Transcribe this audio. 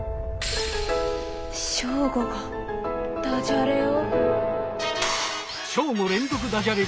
ショーゴがダジャレを？